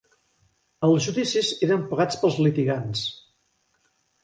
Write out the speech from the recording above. Els judicis eren pagats pels litigants.